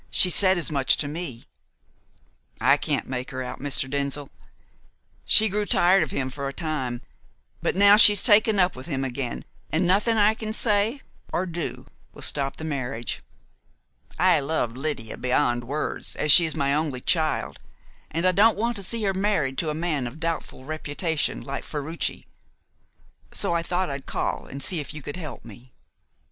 She said as much to me." "I can't make her out, Mr. Denzil. She grew tired of him for a time, but now she has taken up with him again, and nothing I can say or do will stop the marriage. I love Lydia beyond words, as she is my only child, and I don't want to see her married to a man of doubtful reputation like Ferruci. So I thought I'd call and see if you could help me."